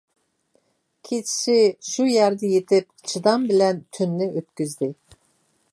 كېچىسى شۇ يەردە يېتىپ چىدام بىلەن تۈننى ئۆتكۈزدى.